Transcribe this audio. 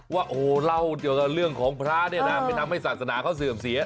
ว่าโหเล่าเรื่องของพระเนี่ยนะมันทำให้ศาสนาเขาเสื่อมเสีย